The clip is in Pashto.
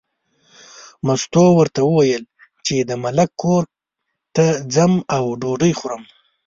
مستو ورته وویل چې د ملک کور ته ځم او ډوډۍ پخوم.